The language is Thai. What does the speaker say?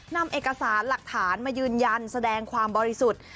นำเอกสารหลักฐานมายืนยันแสดงความบริสุทธิ์